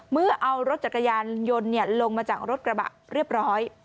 เมื่อเอารถจักรยานยนต์ลงมาจากรถกระบะเรียบร้อย